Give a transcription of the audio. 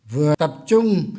vừa tập trung